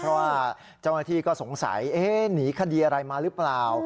เพราะว่าเจ้าหน้าที่ก็สงสัยหนีคดีอะไรมาหรือเปล่า